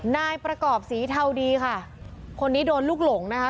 นายประกอบสีเทาดีค่ะคนนี้โดนลูกหลงนะคะ